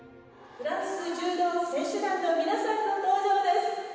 フランス柔道選手団の皆さんの登場です。